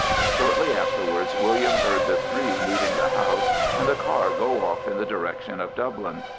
Shortly afterwards William heard the three leaving the house and the car go off in the direction of Dublin.